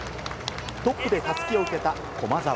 トップでたすきを受けた駒澤。